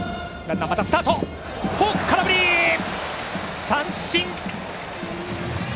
フォーク、空振り三振。